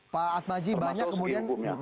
pak atmaji banyak kemudian